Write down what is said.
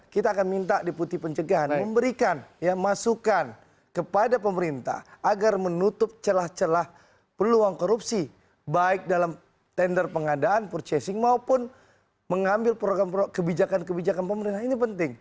kita akan minta deputi pencegahan memberikan masukan kepada pemerintah agar menutup celah celah peluang korupsi baik dalam tender pengadaan purchasing maupun mengambil program program kebijakan kebijakan pemerintah ini penting